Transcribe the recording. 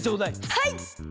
はい！